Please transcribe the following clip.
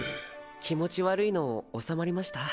気持ち悪いの治まりました？